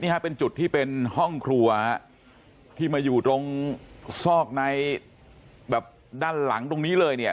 เป็นจุดที่เป็นห้องครัวที่มาอยู่ตรงซอกในแบบด้านหลังตรงนี้เลยเนี่ย